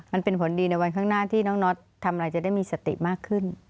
มันเป็นผลดีในวันข้างหน้าที่น้องน็อตทำอะไรจะได้มีสติมากขึ้น